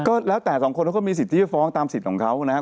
ก็แล้วแต่สองคนเขาก็มีสิทธิฟ้องตามสิทธิ์ของเขานะครับ